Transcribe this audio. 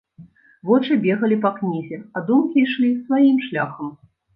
Вочы бегалі па кнізе, а думкі ішлі сваім шляхам.